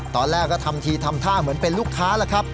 ตอนแรกก็ทำทีทำท่าเหมือนเป็นลูกค้าแล้วครับ